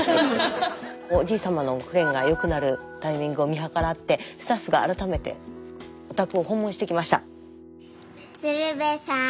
おじいさまのお加減が良くなるタイミングを見計らってスタッフが改めてお宅を訪問してきました。